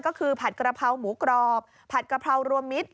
ก็คือผัดกระเพราหมูกรอบผัดกะเพรารวมมิตร